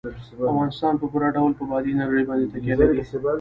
افغانستان په پوره ډول په بادي انرژي باندې تکیه لري.